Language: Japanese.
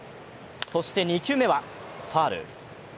そして２球目はファウル。